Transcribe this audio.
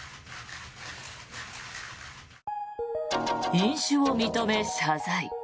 飲酒を認め、謝罪。